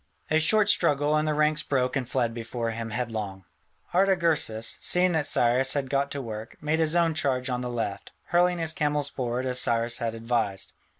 A short struggle, and the ranks broke and fled before him headlong. Artagersas, seeing that Cyrus had got to work, made his own charge on the left, hurling his camels forward as Cyrus had advised.